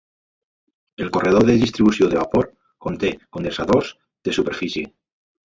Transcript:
El corredor de distribució de vapor conté condensadors de superfície.